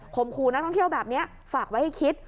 ขู่นักท่องเที่ยวแบบนี้ฝากไว้ให้คิด